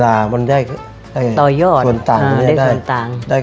คุณพ่อมีลูกทั้งหมด๑๐ปี